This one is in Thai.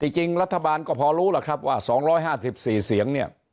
จริงรัฐบาลก็พอรู้ล่ะครับว่า๒๕๔เสียงเนี่ย